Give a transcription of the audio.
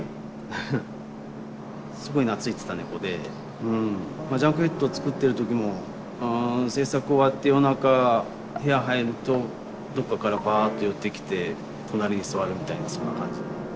すごい懐いてた猫で「ＪＵＮＫＨＥＡＤ」を作ってる時も制作終わって夜中部屋入るとどっかからバッと寄ってきて隣に座るみたいなそんな感じの。